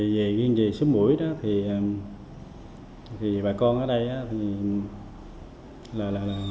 về riêng về xóm mũi đó thì bà con ở đây là